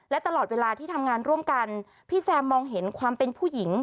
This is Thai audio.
และตลอดเวลาที่ทำงานร่วมกันพี่แซมมองเห็นความเป็นผู้หญิง